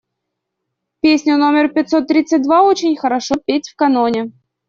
Песню номер пятьсот тридцать два очень хорошо петь в каноне.